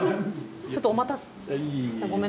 ちょっとお待たせした。